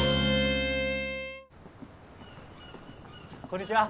こんにちは。